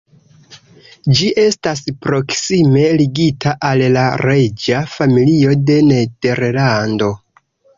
Ĝi estas proksime ligita al la reĝa familio de Nederlando.